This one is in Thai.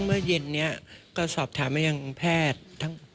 เมื่อเย็นนี้ก็สอบถามให้ยังแพทย์